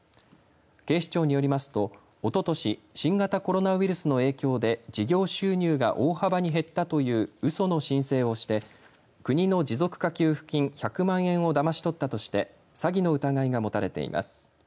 警視庁によりますと、おととし新型コロナウイルスの影響で事業収入が大幅に減ったといううその申請をして国の持続化給付金１００万円をだまし取ったとして詐欺の疑いが持たれています。